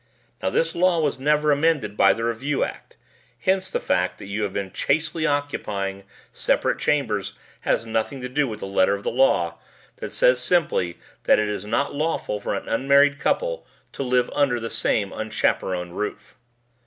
"Now this law was never amended by the Review Act. Hence the fact that you have been chastely occupying separate chambers has nothing to do with the letter of the law that says simply that it is not lawful for an unmarried couple to live under the same unchaperoned roof."